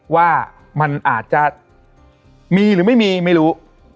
ว่ามันอาจจะมีหรือไม่มีไม่รู้